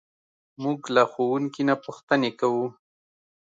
موږ له ښوونکي نه پوښتنې کوو.